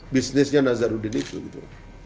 bisnisnya nazaruddin itu